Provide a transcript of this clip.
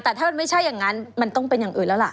แต่ถ้ามันไม่ใช่อย่างนั้นมันต้องเป็นอย่างอื่นแล้วล่ะ